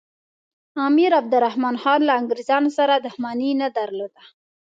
امیر عبدالرحمن خان له انګریزانو سره دښمني نه درلوده.